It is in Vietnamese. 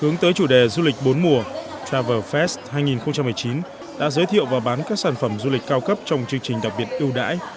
hướng tới chủ đề du lịch bốn mùa travel fest hai nghìn một mươi chín đã giới thiệu và bán các sản phẩm du lịch cao cấp trong chương trình đặc biệt ưu đãi